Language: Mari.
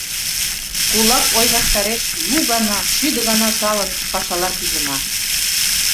Кулак ой ваштареш, лу гана, шӱдӧ гана талын пашалан пижына!